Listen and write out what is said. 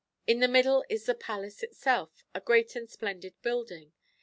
In the middle is the palace itself, a great and splendid building.